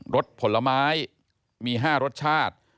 สผลไม้มี๕รสชาติ